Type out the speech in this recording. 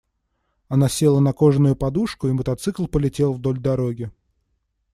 Она села на кожаную подушку, и мотоцикл полетел вдоль дороги.